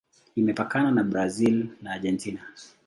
Imepakana na Brazil na Argentina.